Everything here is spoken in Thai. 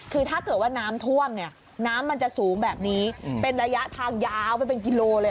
คือถ้าเกิดว่าน้ำท่วมเนี่ยน้ำมันจะสูงแบบนี้เป็นระยะทางยาวไปเป็นกิโลเลย